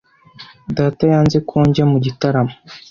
Data yanze ko njya mu gitaramo.